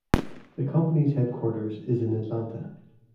The company's headquarters is in Atlanta.